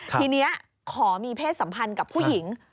ทีนี้ขอมีเพศสัมพันธ์กับผู้หญิง